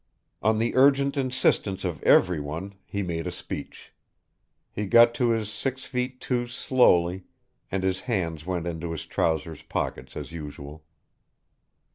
On the urgent insistence of every one he made a speech. He got to his six feet two slowly, and his hands went into his trousers pockets as usual.